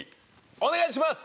お願いします！